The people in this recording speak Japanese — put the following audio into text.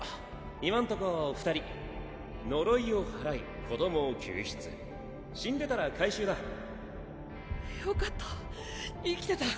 今んとこ２人呪いを祓い子どもを救出死んでたら回収だよかった生きてた。